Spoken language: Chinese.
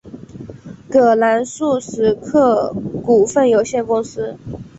葛兰素史克股份有限公司。